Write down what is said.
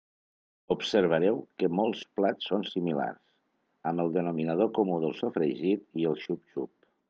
Observareu que molts plats són simi-lars, amb el denominador comú del so-fregit i el xup-xup.